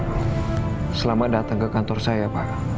selamat datang ke kantor saya pak